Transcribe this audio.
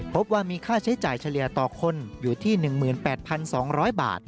พบว่ามีค่าใช้จ่ายเฉลี่ยต่อคนอยู่ที่๑๘๒๐๐บาท